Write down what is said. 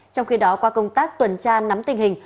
trong khi đó qua công tác tuần trước